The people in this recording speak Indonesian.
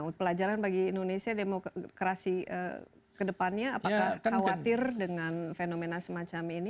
apakah khawatir dengan fenomena semacam ini